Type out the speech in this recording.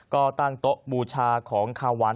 ก็ตั้งโต๊ะบูชาของคาวัน